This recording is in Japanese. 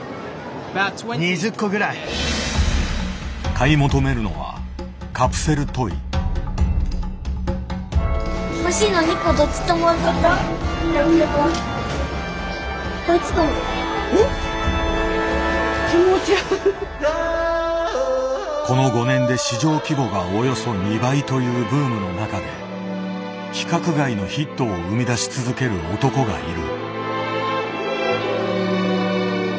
買い求めるのはこの５年で市場規模がおよそ２倍というブームの中で規格外のヒットを生み出し続ける男がいる。